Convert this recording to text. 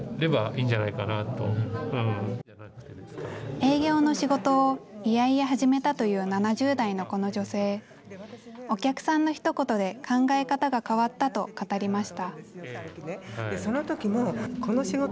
営業の仕事を嫌々始めたという７０代のこの女性、お客さんのひと言で考え方が変わったと語りました。